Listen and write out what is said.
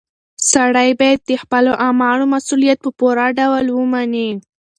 سړی باید د خپلو اعمالو مسؤلیت په پوره ډول ومني.